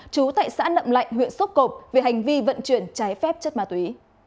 trú tại xã nậm lạnh huyện sốt cộp về hành vi vận chuyển trái phép chất ma túy